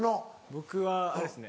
僕はあれですね。